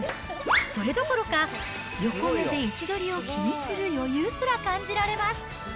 それどころか、横目で位置取りを気にする余裕すら感じられます。